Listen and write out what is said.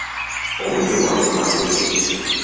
Obudde bwa mukalwe.